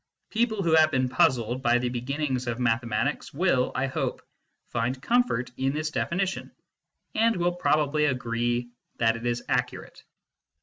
People who have been puzzled by the beginnings of mathematics will, I hope, find comfort in this definition, and will probably agree that it is accurate.